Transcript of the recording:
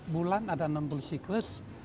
bulan ada enam puluh siklus